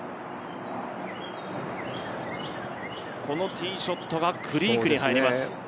このティーショットがクリークに入ります。